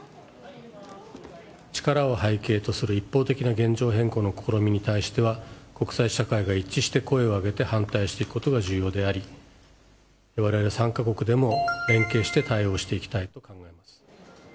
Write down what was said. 力を背景とする一方的な現状変更に対する試みに対しては、国際社会が一致して声を上げて反対していくことが重要であり、われわれ３か国でも連携して対応していきたいと考えます。